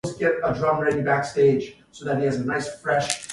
Upon entering the novitiate of that religious institute he took the name Placidus.